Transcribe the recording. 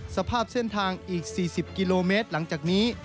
สภาพเส้นทางอีก๔๐กิโลเมตรหลังจากนี้